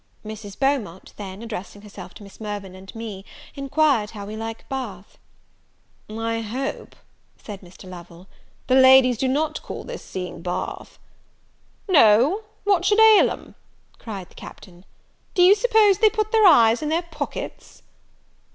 Mrs. Beaumont then, addressing herself to Miss Mirvan and me, inquired how we liked Bath? "I hope," said Mr. Lovel, "the ladies do not call this seeing Bath." "No! what should ail 'em?" cried the Captain, "do you suppose they put their eyes in their pockets?"